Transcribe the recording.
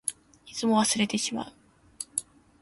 いつも忘れてしまう。